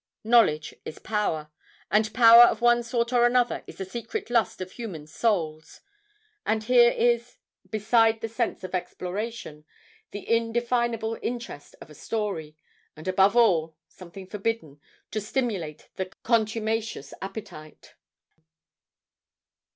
Knowledge is power and power of one sort or another is the secret lust of human souls; and here is, beside the sense of exploration, the undefinable interest of a story, and above all, something forbidden, to stimulate the contumacious appetite.